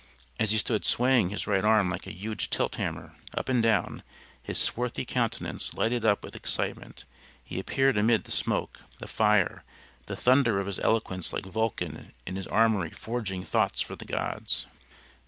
As he stood swaying his right arm like a huge tilt hammer, up and down, his swarthy countenance lighted up with excitement, he appeared amid the smoke, the fire, the thunder of his eloquence like Vulcan in his armory forging thoughts for the gods!